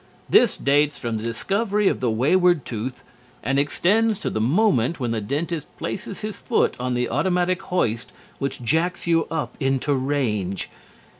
This dates from the discovery of the wayward tooth and extends to the moment when the dentist places his foot on the automatic hoist which jacks you up into range.